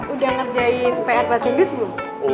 udah ngerjain pr bahasa inggris belum